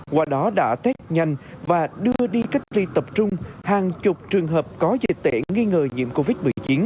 qua đó đã test nhanh và đưa đi cách ly tập trung hàng chục trường hợp có dây tễ nghi ngờ nhiễm covid một mươi chín